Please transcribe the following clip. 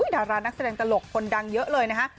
ดารานักแสดงตลกคนดังเยอะเลยนะฮะ